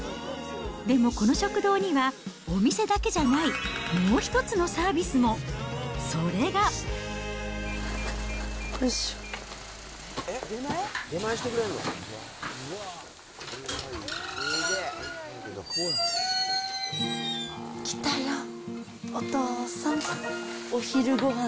でもこの食堂には、お店だけじゃない、もう一つのサービスも。それが。来たよ、お父さん。